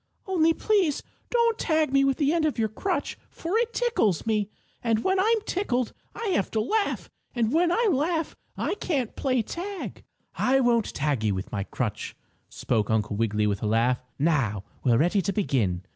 "Only please don't tag me with the end of your crutch, for it tickles me, and when I'm tickled I have to laugh, and when I laugh I can't play tag." "I won't tag you with my crutch," spoke Uncle Wiggily with a laugh. "Now we're ready to begin."